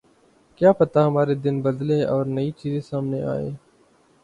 کیا پتا ہمارے دن بدلیں اور نئی چیزیں سامنے آئیں۔